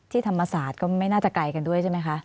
ธรรมศาสตร์ก็ไม่น่าจะไกลกันด้วยใช่ไหมคะ